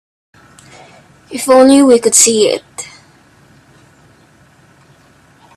If only we could see it.